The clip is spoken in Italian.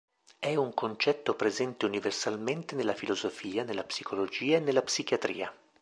È un concetto presente universalmente nella filosofia, nella psicologia e nella psichiatria.